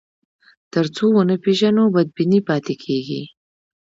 تر څو ونه پېژنو، بدبیني پاتې کېږي.